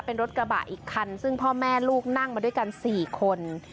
เป็นรถกระบะอีกคันซึ่งพ่อแม่ลูกนั่งมาด้วยกัน๔คน